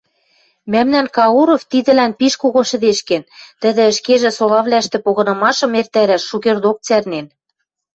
Мӓмнӓн Кауров тидӹлӓн пиш когон шӹдешкен, тӹдӹ ӹшкежӹ солавлӓштӹ погынымашым эртӓрӓш шукердок цӓрнен.